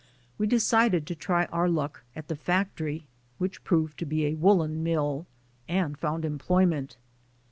We decided to try our luck at the factory, which proved to be a woolen mill, and found employment.